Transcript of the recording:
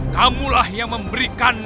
kamulah yang memberikan